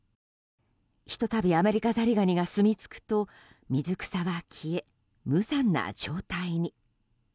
ひとたびアメリカザリガニがすみつくと水草は消え、無残な状態に。